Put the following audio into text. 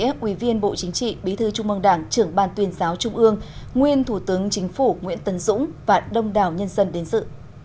nguyễn trọng nghĩa quý viên bộ chính trị bí thư trung mong đảng trưởng bàn tuyên giáo trung ương nguyên thủ tướng chính phủ nguyễn tân dũng và đông đảo nhân dân đến sự